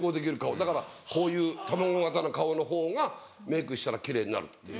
だからこういう卵形の顔のほうがメークしたら奇麗になるっていう。